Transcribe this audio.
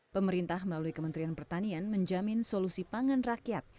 pemerintah melalui kementerian pertanian menjamin solusi pangan rakyat